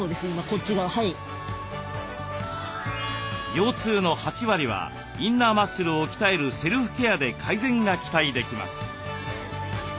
腰痛の８割はインナーマッスルを鍛えるセルフケアで改善が期待できます。